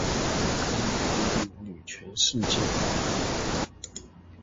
也可以列入女權事件嗎